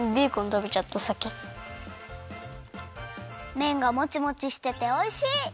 めんがもちもちしてておいしい！